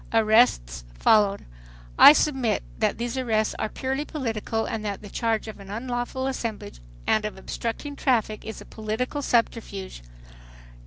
Arrests followed. I submit that these arrests are purely political and that the charge of an unlawful assemblage and of obstructing traffic is a political subterfuge.